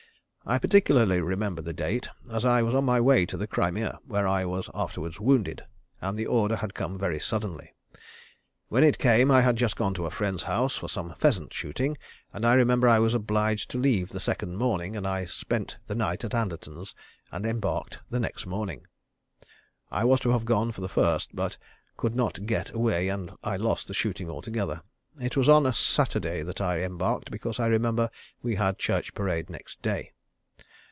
I particularly remember the date, as I was on my way to the Crimea, where I was afterwards wounded, and the order had come very suddenly. When it came I had just gone to a friend's house for some pheasant shooting, and I remember I was obliged to leave the second morning, and I spent the night at Anderton's, and embarked the next morning. I was to have gone for the first, but could not get away, and I lost the shooting altogether. It was on a Saturday that I embarked, because I remember we had church parade next day.